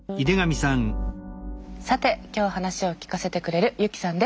さて今日話を聞かせてくれるユキさんです。